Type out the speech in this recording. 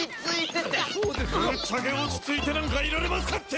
ぶっちゃけ落ち着いてなんかいられますかって！